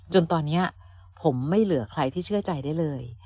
จนตอนนี้ผมไม่เหลือใครที่เชื่อใจได้เลย